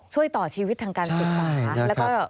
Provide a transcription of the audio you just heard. ช่วยต่อชีวิตทางการศึกษา